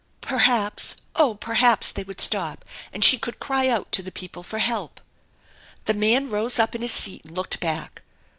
Perhaps oh, perhaps they would stop and she could cry out to the people for help. The man rose up in his seat and looked back.